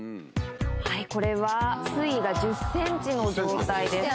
はいこれは水位が１０ｃｍの状態です。